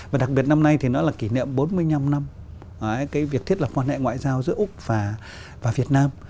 và đặc biệt năm nay thì nó là kỷ niệm bốn mươi năm năm cái việc thiết lập quan hệ ngoại giao giữa úc và việt nam